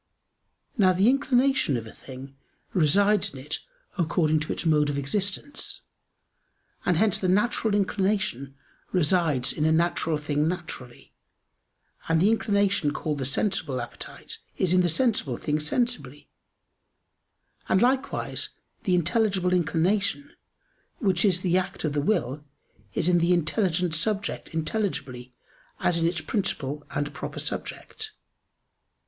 Now the inclination of a thing resides in it according to its mode of existence; and hence the natural inclination resides in a natural thing naturally, and the inclination called the sensible appetite is in the sensible thing sensibly; and likewise the intelligible inclination, which is the act of the will, is in the intelligent subject intelligibly as in its principle and proper subject.